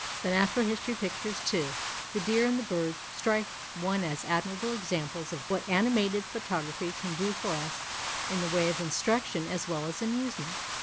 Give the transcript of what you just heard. The natural history pictures, too, the deer and the birds, strike one as admirable examples of what animated photography can do for us in the way of instruction as well as amusement.